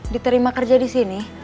diterima kerja di sini